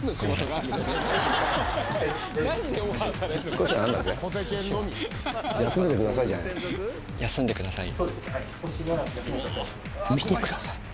「少しは休んでください」。